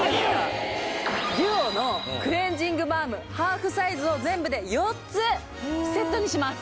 ＤＵＯのクレンジングバームハーフサイズを全部で４つセットにします